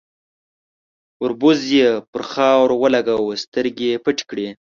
، وربوز يې پر خاورو ولګاوه، سترګې يې پټې کړې.